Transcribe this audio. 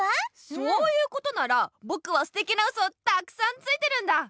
そういうことならぼくはすてきなウソをたくさんついてるんだ！